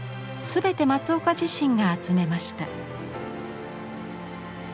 全て松岡自身が集めました。